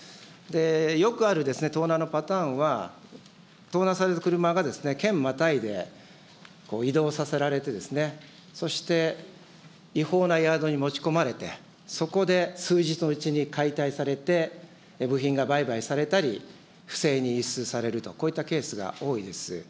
よくある盗難のパターンは、盗難される車が県またいで移動させられて、そして違法なヤードに持ち込まれて、そこで数日のうちに解体されて、部品が売買されたり、不正に輸出されると、こういったケースが多いです。